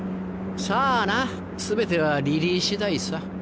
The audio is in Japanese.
さぁな全てはリリー次第さ。